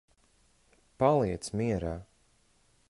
Paliec mierā.